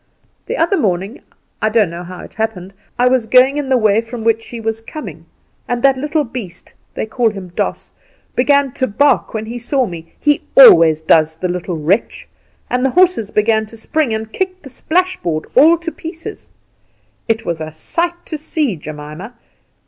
The other morning, I don't know how it happened, I was going in the way from which she was coming, and that little beast they call him Doss began to bark when he saw me he always does, the little wretch and the horses began to spring, and kicked the splashboard all to pieces. It was a sight to see Jemima!